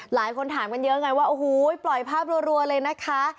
หลายคนถามกันเยอะไงว่าโอ้โหปล่อยภาพรัวเลยนะคะ